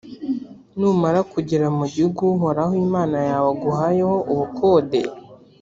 numara kugera mu gihugu uhoraho imana yawe aguhayeho ubukonde,